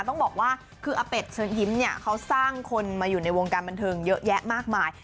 ต้องบอกว่าคืออาเป็ดเชิญยิ้มเนี่ยเขาสร้างคนมาอยู่ในวงการบันเทิงเยอะแยะมากมาย